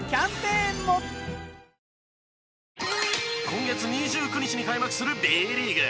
今月２９日に開幕するＢリーグ。